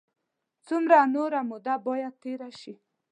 څومره نوره موده باید تېره شي.